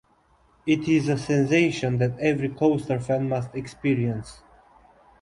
It is a sensation that every coaster fan must experience.